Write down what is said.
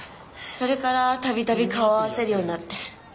それからたびたび顔を合わせるようになって。